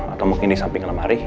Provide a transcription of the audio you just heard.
atau mungkin di samping lemari